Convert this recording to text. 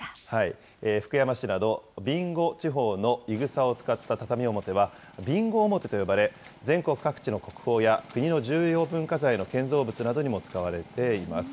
福山市など備後地方のいぐさを使った畳表は、備後表と呼ばれ全国各地の国宝や、国の重要文化財の建造物などにも使われています。